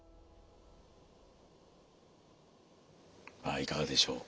いかがでしょうか。